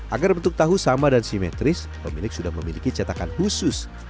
agar bentuk tahu sama dan simetris pemilik sudah memiliki cetakan khusus